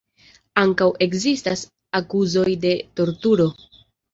Ankaŭ ekzistas akuzoj de torturo.